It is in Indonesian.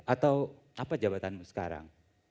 atau apa jabatanmu sekarang